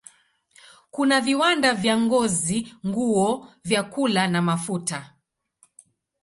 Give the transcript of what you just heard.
Kuna viwanda vya ngozi, nguo, vyakula na mafuta.